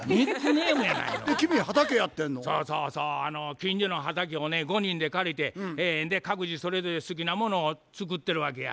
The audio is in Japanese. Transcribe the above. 近所の畑をね５人で借りて各自それぞれ好きなものを作ってるわけや。